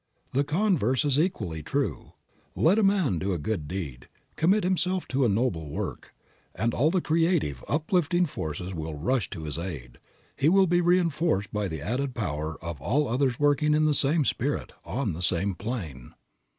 The converse is equally true. Let a man do a good deed, commit himself to a noble work, and all the creative, uplifting forces will rush to his aid. He will be reënforced by the added power of all others working in the same spirit, on the same plane.